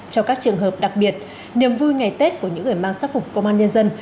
cho các trường hợp đặc biệt niềm vui ngày tết của những người mang sắc phục công an nhân dân